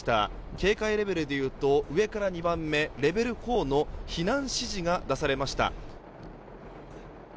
警戒レベルでいうと上から２番目レベル４の避難指示が出されました。